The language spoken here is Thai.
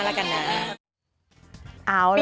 เร็วไปนิดนึงเอาไปปีหน้าแล้วกันนะ